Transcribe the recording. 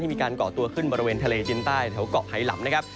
ที่มีการเกาะตัวขึ้นบริเวณทะเลจีนใต้แถวก่อไหล่หลับนะครับ